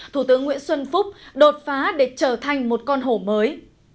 thủ tướng nguyễn xuân phúc đột phá để trở thành một con hổ mới